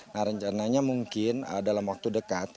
nah rencananya mungkin dalam waktu dekat